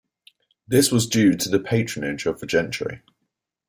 This was due to the patronage of the gentry.